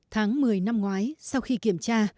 tháng một mươi năm ngoái sau khi kiểm tra